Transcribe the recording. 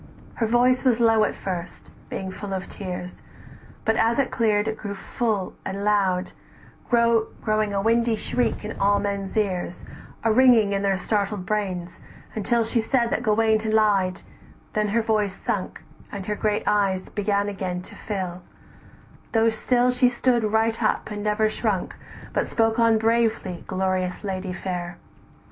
Her voice was low at first, being full of tears, But as it cleared, it grew full loud and shrill, Growing a windy shriek in all men's ears, A ringing in their startled brains, until She said that Gauwaine lied, then her voice sunk, And her great eyes began again to fill, Though still she stood right up, and never shrunk, But spoke on bravely, glorious lady fair!